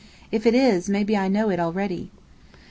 "If it is, maybe I know it already!"